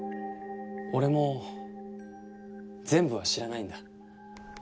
俺も全部は知らないんだ。